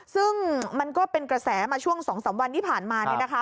ซึ่งมันก็เป็นกระแสมาช่วง๒๓วันที่ผ่านมา